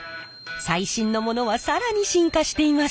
最新のものは更に進化しています。